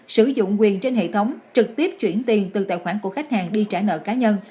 sử dụng quyền trên hệ thống trực tiếp chuyển tiền từ tài khoản của khách hàng đi trả nợ cá nhân